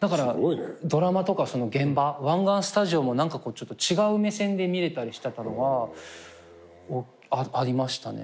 だからドラマとかその現場湾岸スタジオも何か違う目線で見れたのがありましたね。